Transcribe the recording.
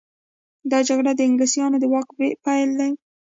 دا جګړه د انګلیسانو د واک پیل و.